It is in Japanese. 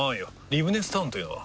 リブネスタウンというのは？